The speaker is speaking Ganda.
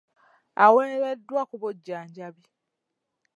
Aweereddwa ku bujjanjabi.